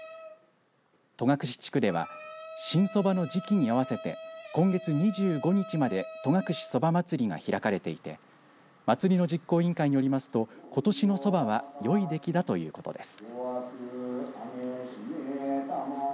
戸隠地区では新そばの時期に合わせて今月２５日まで戸隠そば祭りが開かれていて祭りの実行委員会によりますとことしのそばはよい出来だということです。